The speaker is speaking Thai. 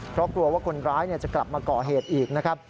เพราะกลัวว่าคนร้ายจะกลับมาก่อเหตุอีกนะครับ